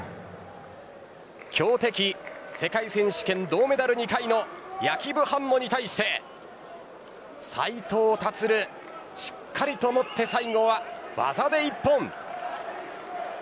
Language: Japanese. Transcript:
強敵、世界選手権銅メダル２回のヤキブ・ハンモに対して斉藤立、しっかりと持って最後は技で一本。